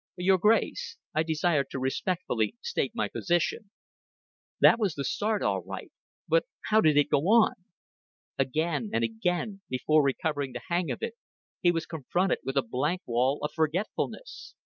"Your Grace, I desire to respectfully state my position."... That was the start all right; but how did it go on? Again and again, before recovering the hang of it, he was confronted with a blank wall of forgetfulness.